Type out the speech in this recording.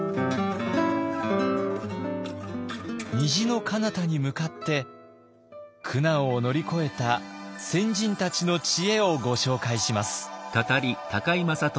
虹の彼方に向かって苦難を乗り越えた先人たちの知恵をご紹介します。